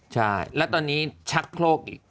ใช่แล้วตอนนี้ชักโครกอีก